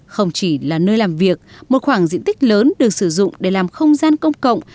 không chỉ là nơi làm việc một khoảng diện tích lớn được sử dụng để làm không gian công cộng